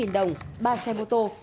tám trăm linh đồng ba xe mô tô